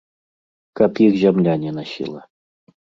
Каб іх зямля не насіла!